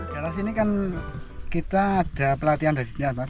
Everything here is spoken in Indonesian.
di atas ini kan kita ada pelatihan dari dunia mas